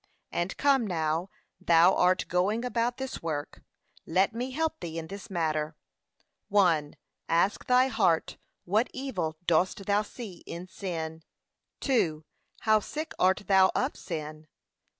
And come, now thou art going about this work, let me help thee in this matter. I. Ask thy heart, What evil dost thou see in sin? II. How sick art thou of sin?